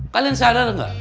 kalian sadar gak